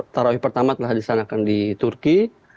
tarawih pertama telah disanakan di turki